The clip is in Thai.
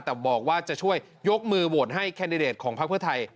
แต่บอกว่าจะช่วยยกมือโหวตให้แคนดิเดตของพักเพื่อไทย